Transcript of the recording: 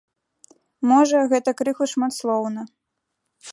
Можа, гэта крыху шматслоўна.